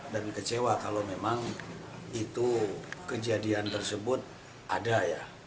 dan kecewa kalau memang itu kejadian tersebut ada ya